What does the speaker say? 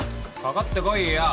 かかってこいよ